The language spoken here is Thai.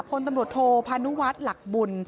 พลตำรวจโทพานุวัฒน์หลักบุญ